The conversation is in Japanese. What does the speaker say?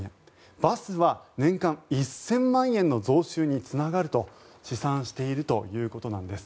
バスは年間１０００万円の増収につながると試算しているということなんです。